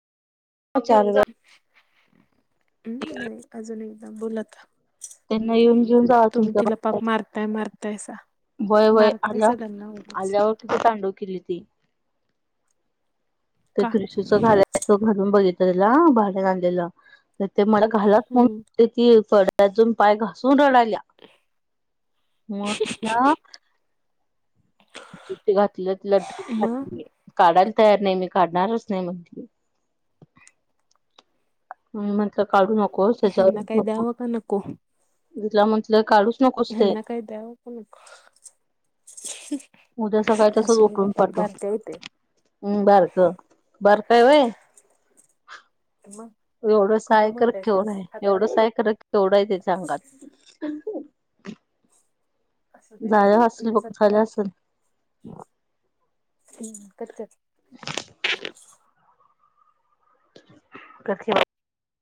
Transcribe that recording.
चार हजार. हम् नाही, अजून एकदा बोल आता. त्यांना येऊन ह् घेऊन जावा तुम्ही तुमच्या तिला पाप बगतात मारताय मारताय सा. मारतायसा त्यांना उगच. त सांडव केली ती. ते का कृषीच घालायचं, घालून बघितल तिला भाड्यान आणलेलं. ते मढ घालत म्ह हम्म ती पडद्यातून पाय घासून रडाल्या. मछ. [inaudible] [inaudible] मग काढायला तयार नाही, मी काढणारच नाही म्हणली. म्हटलं काढू नको त्याच्यावर ह्यांना काय नको, द्यावं का नको मी तिला म्हंटलं काढूच नकोस ते ह्यांना काय द्यावं का नको? उद्या सकाळी असू दे ग काय [inaudible] हुत्यय. हम् बारकं, बारकं हाय व्हय? मग? एवढंस हाय कुठं तर मोठा आहे सांग केवढं हाय? हातात एवढंस येत हाय तर केवढं हाय त्याच्या अंगात? झाय असेल बघ झालं असेल. हम कट कर. कट केला ब.